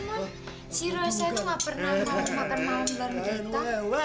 menurut saya itu gak pernah mau makan malam baru kita